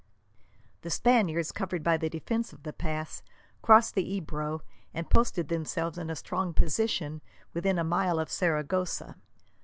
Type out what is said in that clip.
The Spaniards, covered by the defence of the pass, crossed the Ebro and posted themselves in a strong position within a mile of Saragossa.